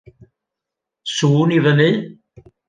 Sŵn i fyny